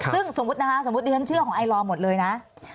ซึ่งสมมุตินะคะสมมุติที่ฉันเชื่อของไอลอร์หมดเลยนะ